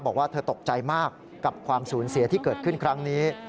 บอกว่าเธอตกใจมากกับความสูญเสียที่เกิดขึ้นครั้งนี้